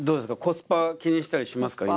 コスパ気にしたりしますか？